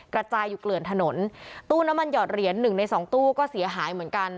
กระจายอยู่เกลื่อนถนนตู้น้ำมันหอดเหรียญหนึ่งในสองตู้ก็เสียหายเหมือนกัน